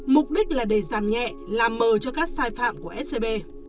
mục đích là để giảm nhẹ làm mờ cho các sai phạm của scb